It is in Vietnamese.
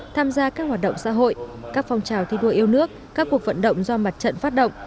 tham gia các hoạt động xã hội các phong trào thi đua yêu nước các cuộc vận động do mặt trận phát động